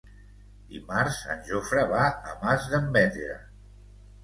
Dimarts en Jofre va a Masdenverge.